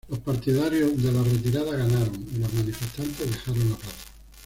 Los partidarios de la retirada ganaron, y los manifestantes dejaron la plaza.